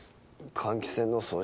換気扇の掃除。